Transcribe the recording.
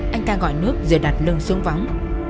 anh ta gọi nước rồi đặt lưng xuống võng